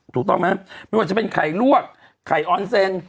ถูกต้องไหมไม่ว่าจะเป็นไข่ลวกไข่ออนเซน